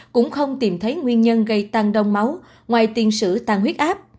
cũng không tìm thấy nguyên nhân gây tăng đông máu ngoài tiền sử tăng huyết áp